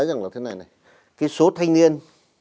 cái số thanh niên